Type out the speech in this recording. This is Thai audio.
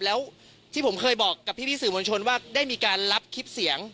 แล้วที่ผมเคยบอกกับพี่สื่อมวลชนว่าได้มีการรับคลิปเสียง